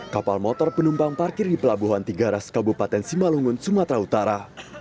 kapal motor penumpang parkir di pelabuhan tiga ras kabupaten simalungun sumatera utara